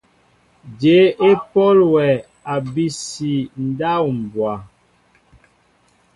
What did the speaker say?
Jyéé e pɔl wɛ abisi ndáw mbwa ?